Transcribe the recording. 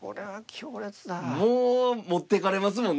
もう持ってかれますもんね